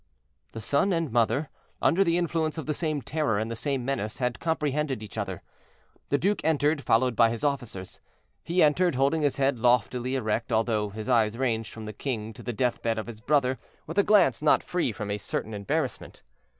The son and mother, under the influence of the same terror and the same menace, had comprehended each other. The duke entered, followed by his officers. He entered, holding his head loftily erect, although his eyes ranged from the king to the death bed of his brother with a glance not free from a certain embarrassment.